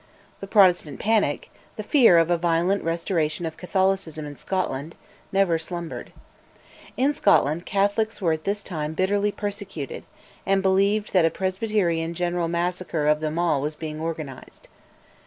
The Protestant panic, the fear of a violent restoration of Catholicism in Scotland, never slumbered. In Scotland Catholics were at this time bitterly persecuted, and believed that a presbyterian general massacre of them all was being organised.